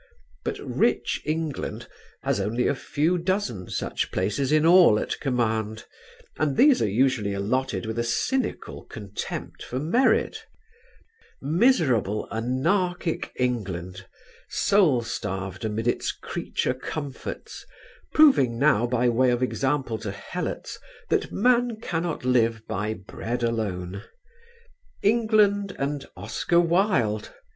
But rich England has only a few dozen such places in all at command and these are usually allotted with a cynical contempt for merit; miserable anarchic England, soul starved amid its creature comforts, proving now by way of example to helots that man cannot live by bread alone: England and Oscar Wilde!